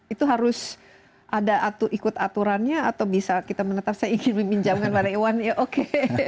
itu harus ada ikut aturannya atau bisa kita menetap saya ingin meminjamkan pada iwan ya oke